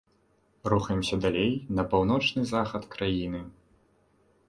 Рухаемся далей на паўночны захад краіны.